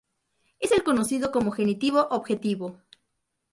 Es el conocido como genitivo objetivo.